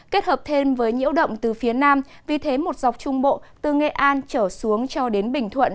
kết hợp thêm với nhiễu động từ phía nam vì thế một dọc trung bộ từ nghệ an trở xuống cho đến bình thuận